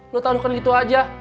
lo taruhkan gitu aja